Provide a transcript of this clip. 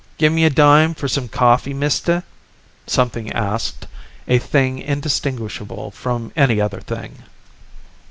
"Give me a dime for some coffee, mister?" something asked, a thing indistinguishable from any other thing.